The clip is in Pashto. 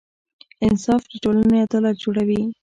انصاف د ټولنې عدالت جوړوي.